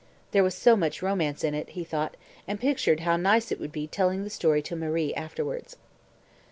"There was so much romance in it," he thought, and pictured how nice it would be telling the story to Marie afterwards.